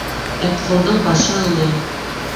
Этҡолдоң башы оло